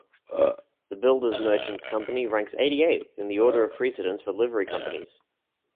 The Builders Merchants' Company ranks eighty-eighth in the order of precedence for Livery Companies.